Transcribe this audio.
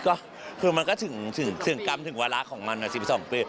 ก็คือมันก็ถึงกรรมถึงวาระของมัน๑๒ปี